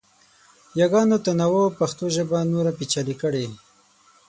یاګانو تنوع پښتو ژبه نوره پیچلې کړې.